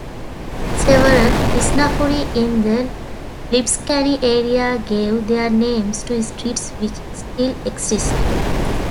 Several "isnafuri" in the Lipscani area gave their names to streets which still exist.